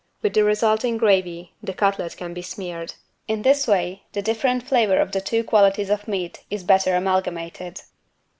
With the resulting gravy the cutlet can be smeared. In this way the different flavor of the two qualities of meat is better amalgamated.